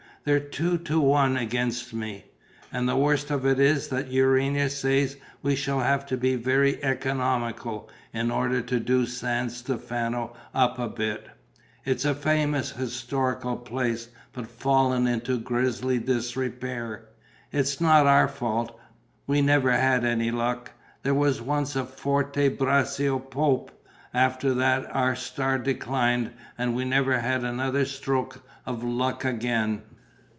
They're two to one against me. And the worst of it is that Urania says we shall have to be very economical, in order to do San Stefano up a bit. It's a famous historical place, but fallen into grisly disrepair. It's not our fault: we never had any luck. There was once a Forte Braccio pope; after that our star declined and we never had another stroke of luck again.